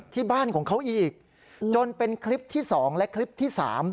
ที่บ้านของเขาอีกจนเป็นคลิปที่๒และคลิปที่๓